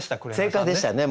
正解でしたね。